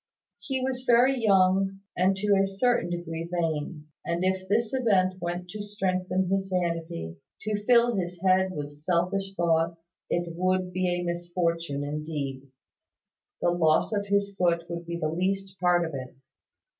He was very young, and to a certain degree vain; and if this event went to strengthen his vanity, to fill his head with selfish thoughts, it would be a misfortune indeed. The loss of his foot would be the least part of it.